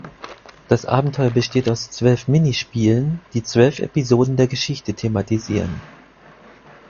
Das Abenteuer besteht aus zwölf Minispielen, die zwölf Episoden der Geschichte thematisieren.